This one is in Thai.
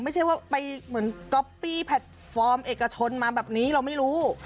ไม่ใช่ว่าไปเหมือนก๊อปปี้แพลตฟอร์มเอกชนมาแบบนี้เราไม่รู้